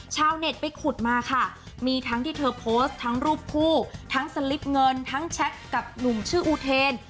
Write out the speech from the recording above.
ชาวเน็ตไปขุดมาค่ะมีทั้งที่เธอโพสต์ทั้งรูปคู่ทั้งสลิปเงินทั้งแชทกับหนุ่มชื่ออูเทน